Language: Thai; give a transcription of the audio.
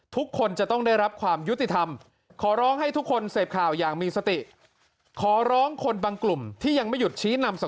ซึ่งหลักฐานพวกนี้หนูส่งให้ทางเจ้าหน้าที่ศึกษวนไปหมดแล้ว